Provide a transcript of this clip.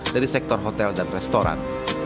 dari sektor hotel dan restoran